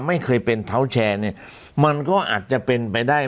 ไม่เคยเป็นเท้าแชร์เนี่ยมันก็อาจจะเป็นไปได้